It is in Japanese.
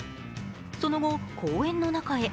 その後、公園の中へ。